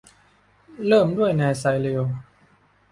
เริ่มด้วยนายไซริล